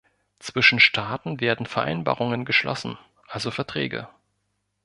Zwischen Staaten werden Vereinbarungen geschlossen, also Verträge.